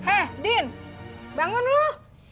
eh din bangun lo